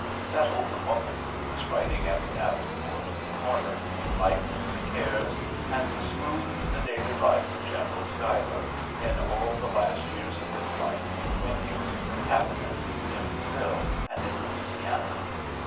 That older woman, who is writing at the Davenport in the corner, lightened the cares and smoothed the daily life of General Schuyler in all the last years of his life, when he was in the Cabinet, in Brazil, and in Louisiana.